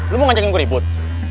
lu mau ngajakin gua ribut